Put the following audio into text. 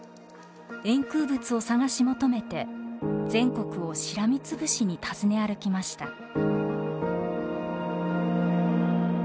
円空仏を探し求めて全国をしらみつぶしに訪ね歩きました。